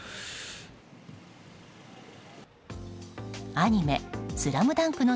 アニメ「ＳＬＡＭＤＵＮＫ」の